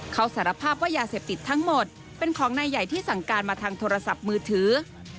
เขาสารภาพว่ายาเสพติดทั้งหมดเป็นของนายใหญ่ที่สั่งการมาทางโทรศัพท์มือถือ